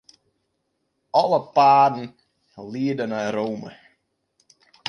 Alle paden liede nei Rome.